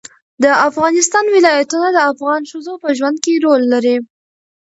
د افغانستان ولايتونه د افغان ښځو په ژوند کې رول لري.